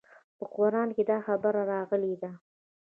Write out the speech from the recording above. په قران کښې دا خبره راغلې ده.